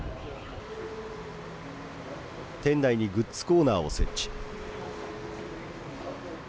店内にグッズコーナーを設置。